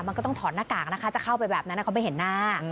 มันก็ต้องถอดหน้ากากนะคะจะเข้าไปแบบนั้นเขาไม่เห็นหน้า